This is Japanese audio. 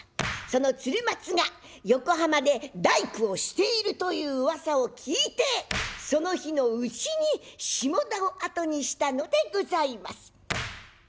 その鶴松が横浜で大工をしているといううわさを聞いてその日のうちに下田を後にしたのでございます。